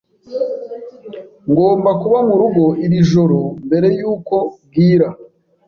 Ngomba kuba murugo iri joro mbere yuko bwira.